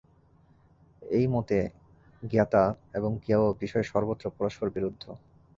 এই মতে জ্ঞাতা এবং জ্ঞেয় বিষয় সর্বত্র পরস্পর-বিরুদ্ধ।